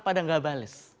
padahal gak bales